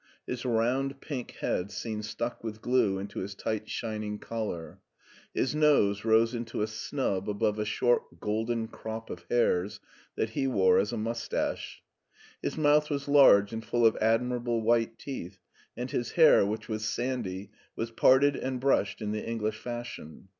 His round, pink head seemed stuck with glue into his tight, shining collar. His nose rose into a snub above a short golden crop of hairs that he wore as a mus * tache. His mouth was large and full of admirable white teeth, and his hair, which was sandy, was parted and brushed in the English fashion.